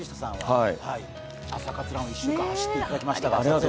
「朝活ＲＵＮ」、１週間走っていただきましたが。